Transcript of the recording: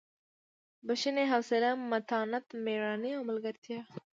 بښنې حوصلې متانت مېړانې او ملګرتیا.